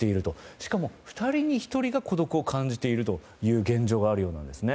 しかも２人に１人が孤独を感じているという現状があるようなんですね。